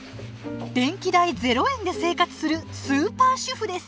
電気代０円で生活するスーパー主婦です。